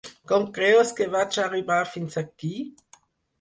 Com creus que vaig arribar fins aquí?